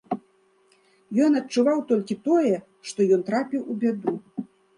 Ён адчуваў толькі тое, што ён трапіў у бяду.